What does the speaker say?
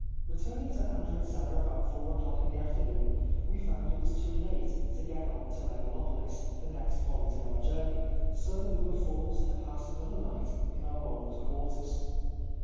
C. Returning to Andritzena about four o'clock in the afternoon, we found it was too late to get on to Megalopolis, the next point in our journey ; so we were forced to pass another night in our old quarters.